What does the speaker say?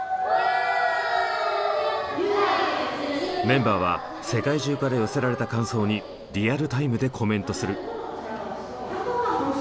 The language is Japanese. メンバーは世界中から寄せられた感想にリアルタイムでコメントする。